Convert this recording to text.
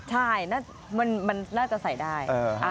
ใช่มันน่าจะใส่ได้